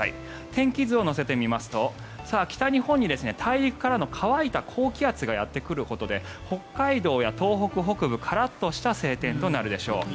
天気図を乗せてみますと北日本に大陸からの乾いた高気圧がやってくることで北海道や東北北部カラッとした晴天となるでしょう。